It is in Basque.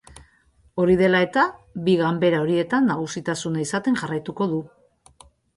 Hori dela eta, bi ganbera horietan nagusitasuna izaten jarraituko du.